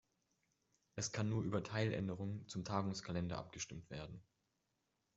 Es kann nur über Teiländerungen zum Tagungskalender abgestimmt werden.